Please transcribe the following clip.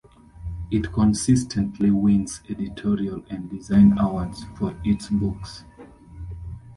It consistently wins editorial and design awards for its books.